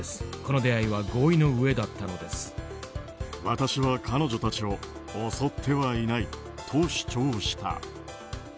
私は彼女たちを襲ってはいないと主張した。